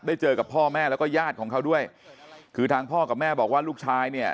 เจอกับพ่อแม่แล้วก็ญาติของเขาด้วยคือทางพ่อกับแม่บอกว่าลูกชายเนี่ย